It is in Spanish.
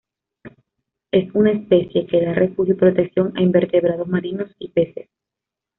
Es una especie que da refugio y protección a invertebrados marinos y peces.